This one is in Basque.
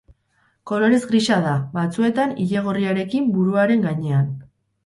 Kolorez grisa da, batzuetan ile gorriarekin buruaren gainean.